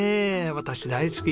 私大好き。